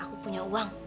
aku punya uang